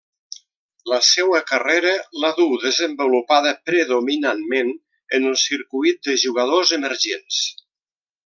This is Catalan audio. La seua carrera la duu desenvolupada predominantment en el circuit de jugadors emergents.